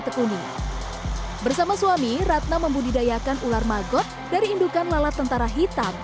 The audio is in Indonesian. tekuni bersama suami ratna membudidayakan ular magot dari indukan lalat tentara hitam